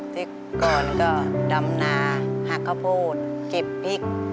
ที่ก่อนก็ดำนาหักข้าพูดกิบพริก